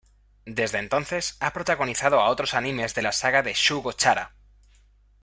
Desde entonces, ha protagonizado a otros animes de la saga de "Shugo Chara!